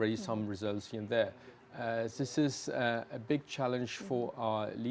untuk mencoba untuk mempercayai orang orang